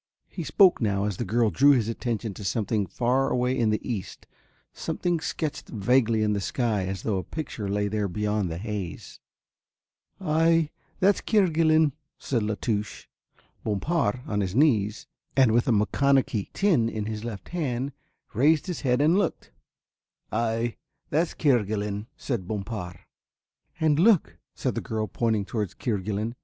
He spoke now as the girl drew his attention to something far away in the east, something sketched vaguely in the sky as though a picture lay there beyond the haze. "Ay, that's Kerguelen," said La Touche. Bompard, on his knees, and with a maconochie tin in his left hand, raised his head and looked. "Ay, that's Kerguelen," said Bompard. "And look," said the girl, pointing towards Kerguelen.